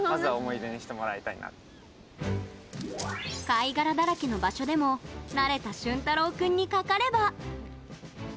貝殻だらけの場所でも慣れたしゅんたろう君にかかれば。